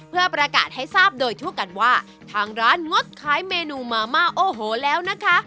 เพื่อประกาศให้ทราบโดยทั่วกันว่าทางร้านงดขายเมนูมาม่าโอ้โหแล้วนะคะ